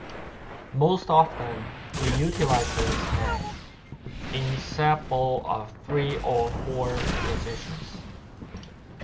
Most often he utilizes an ensemble of three or four musicians.